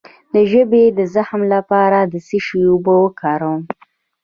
د ژبې د زخم لپاره د څه شي اوبه وکاروم؟